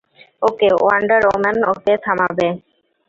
Okay, wonder woman okay থামাবে।